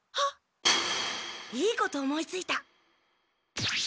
いいこと思いついた。